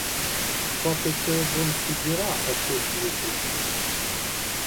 Poate că vom sugera acest lucru.